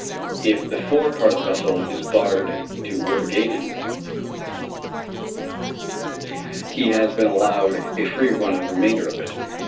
If the fore part of the vessel is barred to Warder Gaydon he has been allowed a free run of the remainder of it.